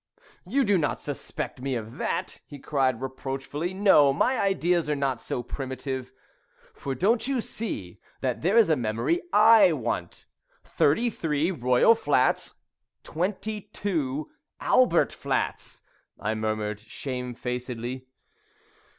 "You do not suspect me of that?" he cried reproachfully. "No, my ideas are not so primitive. For don't you see that there is a memory I want '33, Royal Flats '" "22, Albert Flats," I murmured shame facedly.